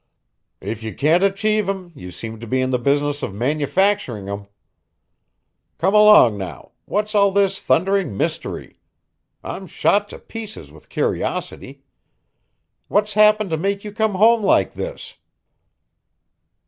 "If you can't achieve 'em you seem to be in the business of manufacturing 'em. Come along now, what's all this thundering mystery. I'm shot to pieces with curiosity. What's happened to make you come home like this?"